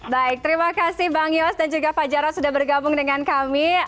baik terima kasih bang yos dan juga pak jarod sudah bergabung dengan kami